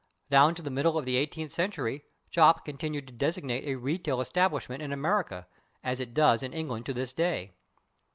Down to the [Pg053] middle of the eighteenth century /shop/ continued to designate a retail establishment in America, as it does in England to this day.